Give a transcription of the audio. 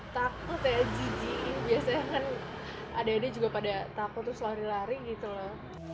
takut ya jijik biasanya kan adek adek juga pada takut terus lari lari gitu loh